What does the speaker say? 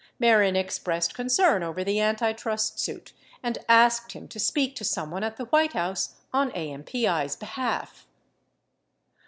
Mehren expressed con cern over the antitrust suit and asked him to speak to someone at the White House on AMPI's behalf.